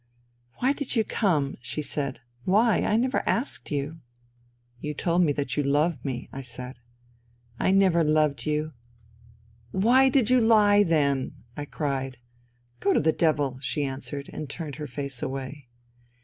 " Why did you come ?" she said. " Why ? I never asked you.'* " You told me that you love me," I said, " I never loved you." " Why did you He then ?" I cried. "Go to the devil I " she answered, and turned her face away.